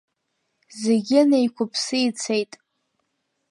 Зегьы неиқәыԥсы ицеит.